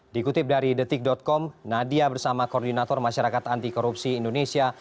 dikutip dari detik com nadia bersama koordinator masyarakat antikorupsi indonesia